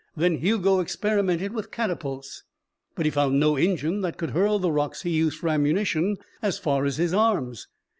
Then Hugo experimented with catapults, but he found no engine that could hurl the rocks he used for ammunition as far as his arms.